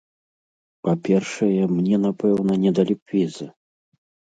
Па-першае, мне, напэўна, не далі б візы.